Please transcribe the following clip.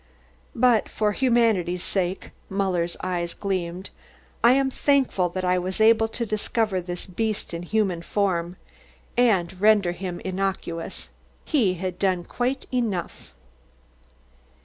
"But for humanity's sake" (Muller's eyes gleamed), "I am thankful that I was able to discover this beast in human form and render him innocuous; he had done quite enough."